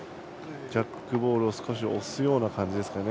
ジャックボールを少し押すような感じですよね。